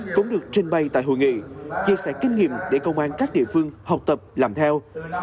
cũng được trình bày tại hội nghị chia sẻ kinh nghiệm để công an các địa phương học tập làm theo